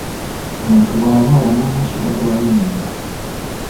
Omuntu bw'alwala n'amaaso gagwayo munda.